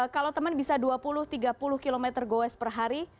kalau temen bisa dua puluh tiga puluh km go wes per hari